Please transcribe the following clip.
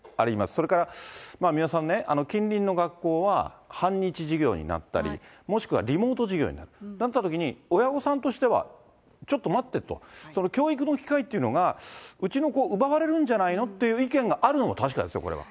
それから三輪さんね、近隣の学校は半日授業になったり、もしくはリモート授業になったときに、親御さんとしてはちょっと待ってと、教育の機会っていうのが、うちの子、奪われるんじゃないのっていう意見があるのも確かですよ、これは。